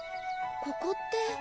ここって？